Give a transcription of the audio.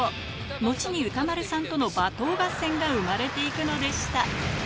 後に歌丸さんとの罵倒合戦が生まれていくのでした。